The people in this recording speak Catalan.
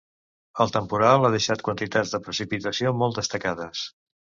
El temporal ha deixat quantitats de precipitació molt destacades.